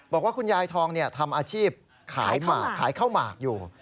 บอกว่าคุณยายทองทำอาชีพขายเข้ามากอยู่